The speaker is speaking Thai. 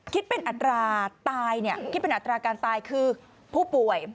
คิดเป็นอัตราการตายคือผู้ป่วย